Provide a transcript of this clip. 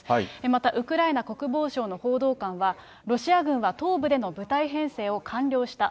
またウクライナ国防省の報道官は、ロシア軍は東部での部隊編成を完了した。